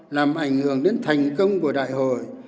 làm ảnh hưởng đến thành công của đại hội